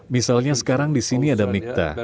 misalnya sekarang di sini ada mikta